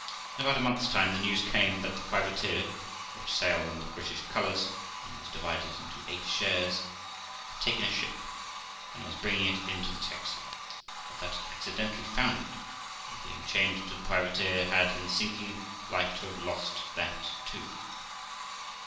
In about a month's time the news came that the privateer ( which sailed under British colours, and was divided into eight shares) had taken a ship, and was bringing it into the Texel, but that it accidentally foundered, and being chained to the privateer, had, in sinking, like to have lost that too.